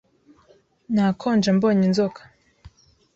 Nakonje mbonye inzoka.